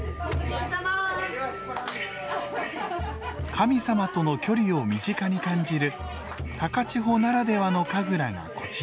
神様との距離を身近に感じる高千穂ならではの神楽がこちら。